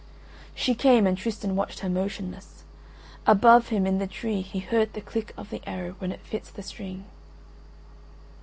She came, and Tristan watched her motionless. Above him in the tree he heard the click of the arrow when it fits the string.